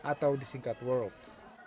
atau disingkat world